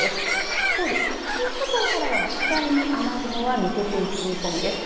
一方で、先島諸島からは次第に雨雲は抜けていく見込みです。